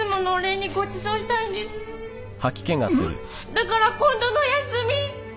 だから今度の休み。